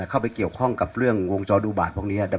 เข้าไปเกี่ยวข้องกับเรื่องวงจอดูบาทพวกนี้